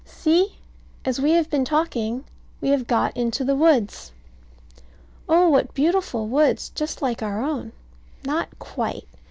See, as we have been talking, we have got into the woods. Oh, what beautiful woods, just like our own. Not quite.